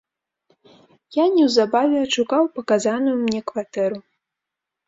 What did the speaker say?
Я неўзабаве адшукаў паказаную мне кватэру.